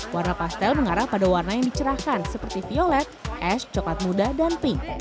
warna pastel mengarah pada warna yang dicerahkan seperti violet es coklat muda dan pink